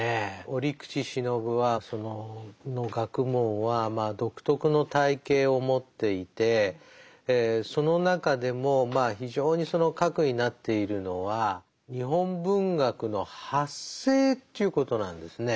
折口信夫はその学問は独特の体系を持っていてその中でもまあ非常にその核になっているのは日本文学の発生ということなんですね。